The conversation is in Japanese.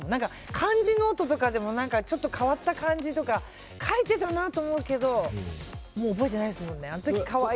漢字ノートとかでもちょっと変わった漢字とか書いてたなと思うけど覚えてないですもんね。